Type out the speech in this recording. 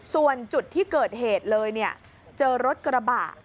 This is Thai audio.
ส่วนจุดที่เกิดเหตุเลยเจอรถกระบะ